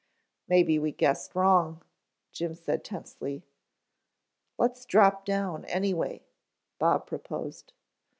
"Maybe we guessed wrong," Jim said tensely. "Let's drop down anyway," Bob proposed.